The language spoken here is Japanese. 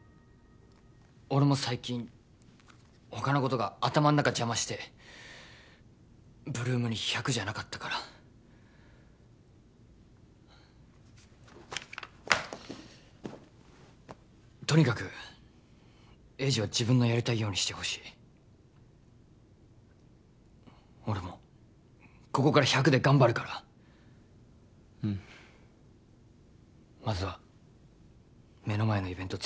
俺も最近他のことが頭ん中邪魔して８ＬＯＯＭに１００じゃなかったからとにかく栄治は自分のやりたいようにしてほしい俺もここから１００で頑張るからうんまずは目の前のイベント